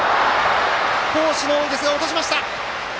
好守の大井ですが落としました。